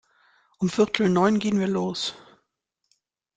Um viertel neun gehn wir los.